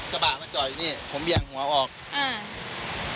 ครับเพราะว่ารถสะพานสำคัญมากดี